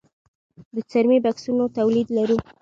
د څرمي بکسونو تولید لرو؟